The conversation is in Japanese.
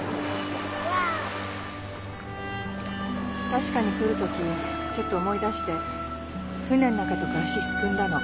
確かに来る時ちょっと思い出して船の中とか足すくんだの。